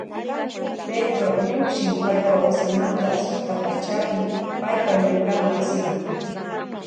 Pedró llukshin paypa wasimanta suktapachapi paypa llankana wasiman.